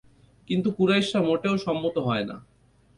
কিন্তু কুরাইশরা মোটেও সম্মত হয় না।